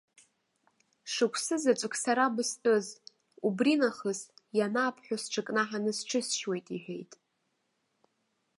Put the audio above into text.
Шықәсы заҵәык сара быстәыз, убринахыс, ианаабҳәо сҽынкнаҳаны сҽысшьуеит, иҳәеит.